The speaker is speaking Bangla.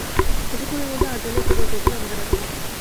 কিছুক্ষণের মধ্যেই আরদালি একটা দরজা খুলে আমাকে ডাকিল।